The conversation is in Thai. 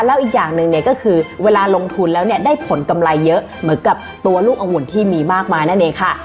แล้วอีกอย่างหนึ่งเนี่ยก็คือเวลาลงทุนแล้วเนี่ยได้ผลกำไรเยอะเหมือนกับตัวลูกองุ่นที่มีมากมายนั่นเองค่ะ